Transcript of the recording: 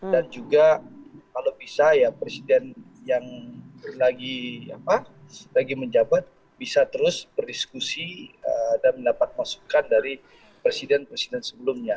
dan juga kalau bisa ya presiden yang lagi apa lagi menjabat bisa terus berdiskusi dan mendapat masukan dari presiden presidennya